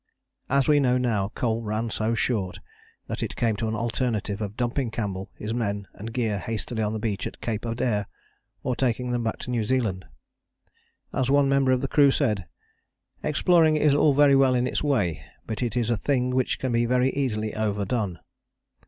As we know now coal ran so short that it came to an alternative of dumping Campbell, his men and gear hastily on the beach at Cape Adare, or taking them back to New Zealand. As one member of the crew said: "Exploring is all very well in its way, but it is a thing which can be very easily overdone."